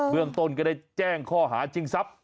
เมืองต้นก็ได้แจ้งข้อหาชิงทรัพย์